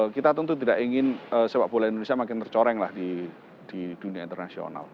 kita tentu tidak ingin sepak bola indonesia makin tercoreng lah di dunia internasional